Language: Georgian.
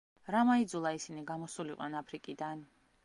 რამ აიძულა ისინი, გამოსულიყვნენ აფრიკიდან?